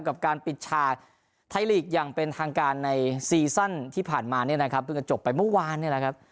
กับการปิดฉากไทยลีกอย่างเป็นทางการในซีซั่นที่ผ่านมาเนี่ยนะครับเพิ่งจะจบไปเมื่อวานเนี่ยแหละครับ